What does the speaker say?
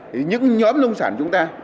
thì những nhóm nông sản chúng ta